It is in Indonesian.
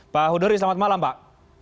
pak hudori selamat malam pak